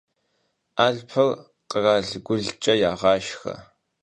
Alhpır khralhgulhç'e yağaşşxe.